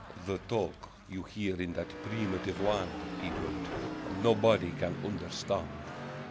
"The talk you hear in that primitive land," He wrote, "nobody can understand."